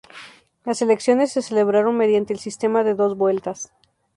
Las elecciones se celebraron mediante el sistema de dos vueltas.